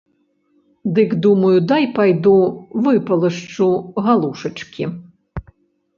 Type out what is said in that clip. Дык думаю, дай пайду выпалашчу галушачкі.